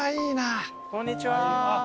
こんにちは。